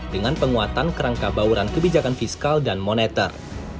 dengan penguatan kerangka bauran kebijakan fiskal dan moneter